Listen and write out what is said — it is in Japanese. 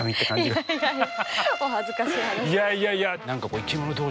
お恥ずかしい話で。